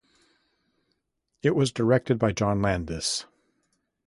It was directed by John Landis.